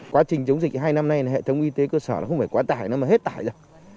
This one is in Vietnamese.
quá trình chống dịch hai năm nay hệ thống y tế cơ sở nó không phải quá tải nó mà hết tải rồi